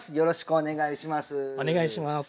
お願いします